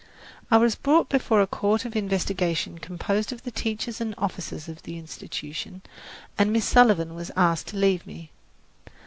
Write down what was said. I was brought before a court of investigation composed of the teachers and officers of the Institution, and Miss Sullivan was asked to leave me.